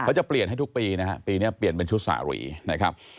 จะเปลี่ยนให้ทุกปีนะฮะปีนี้เปลี่ยนเป็นชุดสารีนะครับ